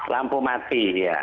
lampu mati ya